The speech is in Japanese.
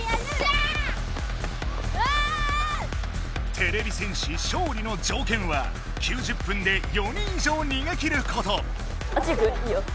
てれび戦士勝利の条件は９０分で４人以上逃げ切ること！